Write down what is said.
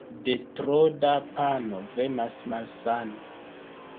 De tro da pano venas malsano.